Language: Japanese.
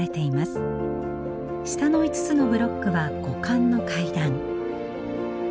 下の５つのブロックは五感の階段。